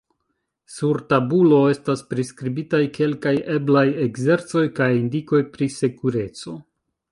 Sur tabulo estas priskribitaj kelkaj eblaj ekzercoj kaj indikoj pri sekureco.